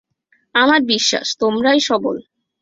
আমার বিশ্বাস তোমরাই সবল।